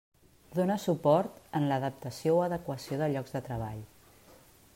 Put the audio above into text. Dóna suport en l'adaptació o adequació de llocs de treball.